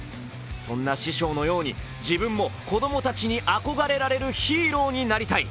そんな師匠のように自分も子供たちに憧れられるヒーローになりたい。